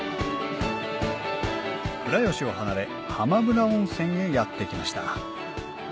倉吉を離れ浜村温泉へやって来ました